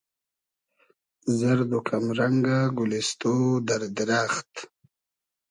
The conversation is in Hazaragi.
زئرد و کئم رئنگۂ گولیستۉ , دئر دیرئخت